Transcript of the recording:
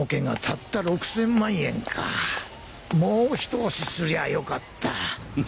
もう一押しすりゃよかった